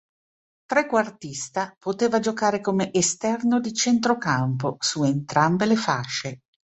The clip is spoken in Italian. Trequartista, poteva giocare come esterno di centrocampo su entrambe le fasce.